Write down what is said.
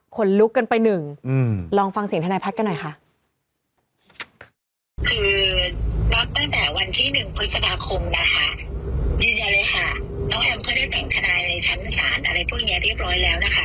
ลุกกันไปหนึ่งลองฟังเสียงทนายพัฒน์กันหน่อยค่ะ